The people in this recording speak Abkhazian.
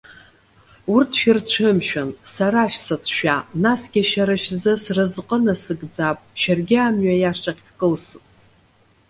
Урҭ шәырцәымшәан, сара шәсыцәшәа. Насгьы шәара шәзы сразҟы насыгӡап, шәаргьы амҩа иашахь шәкылсып.